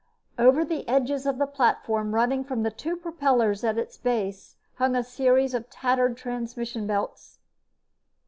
Over the edges of the platform, running from the two propellers in its base, hung a series of tattered transmission belts.